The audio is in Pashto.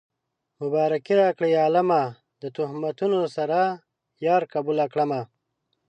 مبارکي راکړئ عالمه د تهمتونو سره يار قبوله کړمه